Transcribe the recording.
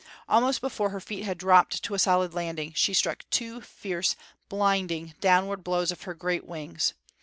Almost before her feet had dropped to a solid landing she struck two fierce, blinding, downward blows of her great wings.